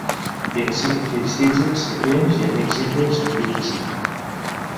Tinc cinc fills tísics i prims i amics íntims, vint-i-cinc.